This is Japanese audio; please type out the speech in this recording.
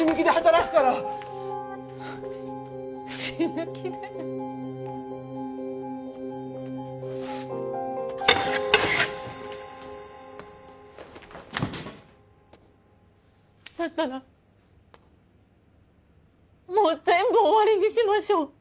だったらもう全部終わりにしましょう